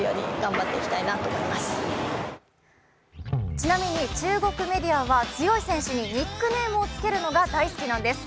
ちなみに中国メディアは強い選手にニックネームをつけるのが大好きなんです。